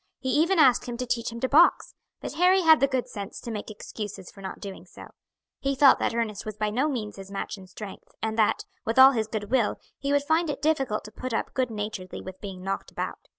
He even asked him to teach him to box, but Harry had the good sense to make excuses for not doing so. He felt that Ernest was by no means his match in strength, and that, with all his good will, he would find it difficult to put up good naturedly with being knocked about.